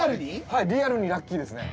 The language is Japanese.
はいリアルにラッキーですね。